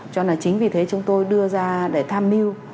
cho nên chính vì thế chúng tôi đưa ra để tham mưu